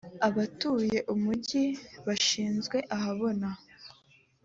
abatuye umugi bashyizwe ahabona